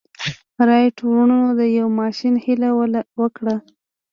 رايټ وروڼو د يوه ماشين هيله وکړه.